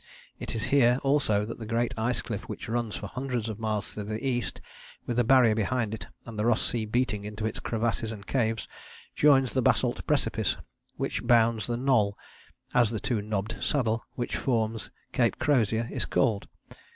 It is here also that the great ice cliff which runs for hundreds of miles to the east, with the Barrier behind it and the Ross Sea beating into its crevasses and caves, joins the basalt precipice which bounds the Knoll, as the two knobbed saddle which forms Cape Crozier is called.